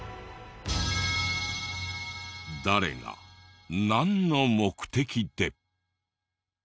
誰がなんの目的で。